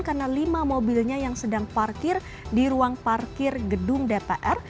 karena lima mobilnya yang sedang parkir di ruang parkir gedung dpr